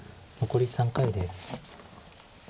残り３回です。